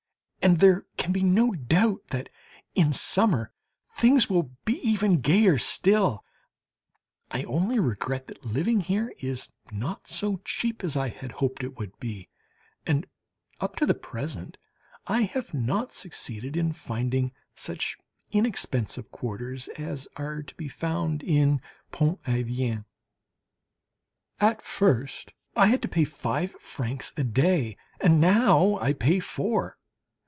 And there can be no doubt that in summer things will be even gayer still. I only regret that living here is not so cheap as I had hoped it would be, and up to the present I have not succeeded in finding such inexpensive quarters as are to be found in Pont Aven. At first I had to pay five francs a day, and now I pay four.